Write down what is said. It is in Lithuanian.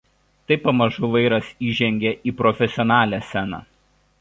Taip pamažu „Vairas“ įžengė į profesionalią sceną.